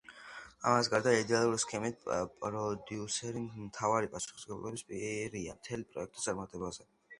ამას გარდა, იდეალური სქემით, პროდიუსერი მთავარი პასუხისმგებელი პირია მთელი პროექტის წარმატებაზე.